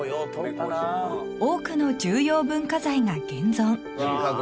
［多くの重要文化財が現存］